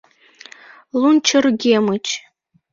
Лунчыргемыч